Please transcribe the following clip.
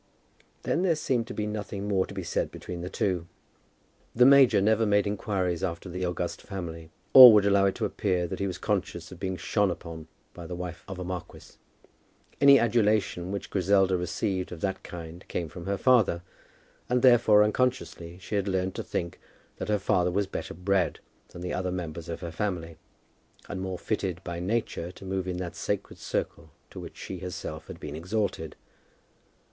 Then there seemed to be nothing more to be said between the two. The major never made inquiries after the august family, or would allow it to appear that he was conscious of being shone upon by the wife of a marquis. Any adulation which Griselda received of that kind came from her father, and, therefore, unconsciously she had learned to think that her father was better bred than the other members of her family, and more fitted by nature to move in that sacred circle to which she herself had been exalted.